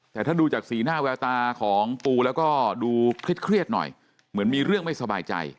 แต่ถ้าดูจากสีหน้าแววตาของปูแล้วก็ดูเครียดหน่อยเหมือนมีเรื่องไม่สบายใจ